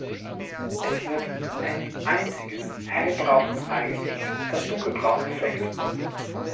Es wird ein einziges hellbraunes Ei gelegt, das dunkelbraun gefleckt ist.